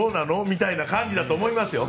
みたいな感じだと思いますよ。